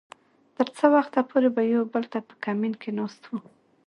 تر څه وخته پورې به يو بل ته په کمين کې ناست وو .